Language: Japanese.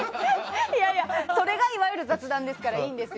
いやいや、それがいわゆる雑談ですからいいんですよ。